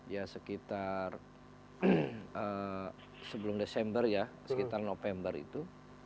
ya sekitar sebelum desember ya sekitar november itu